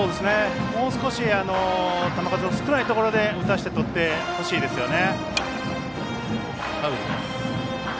もう少し、球数を少ないところで打たせてとってほしいですね。